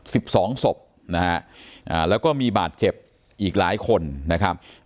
สิบสองศพนะฮะอ่าแล้วก็มีบาดเจ็บอีกหลายคนนะครับ